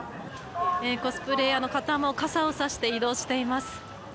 コスプレーヤーの方も傘を差して移動しています。